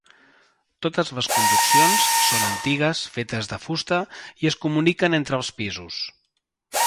Totes les conduccions són antigues, fetes de fusta, i es comuniquen entre els pisos.